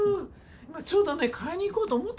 ちょうどね買いに行こうと思ってたのよ。